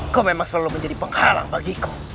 kau memang selalu menjadi penghalang bagiku